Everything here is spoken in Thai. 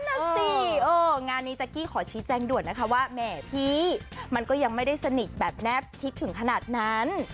นั่นน่ะสิงานนี้แจ๊กกี้ขอชี้แจ้งด่วนนะคะว่าแหมพี่มันก็ยังไม่ได้สนิทแบบแนบชิดถึงขนาดนั้น